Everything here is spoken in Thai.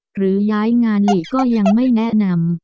หรือย้ายงานหลีก็ยังไม่แนะนำ